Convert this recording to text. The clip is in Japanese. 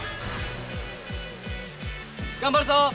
頑張るぞ！